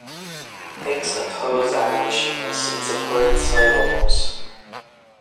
Hicks opposed abolitionists and supported slave owners.